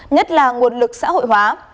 nhất là nguồn lực xã hội hóa